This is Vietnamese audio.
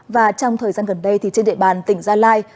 và trong thời gian gần đây thì trên địa bàn tỉnh gia lai